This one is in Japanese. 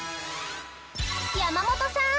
山本さん！